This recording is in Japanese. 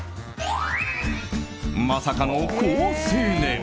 まさかの好青年！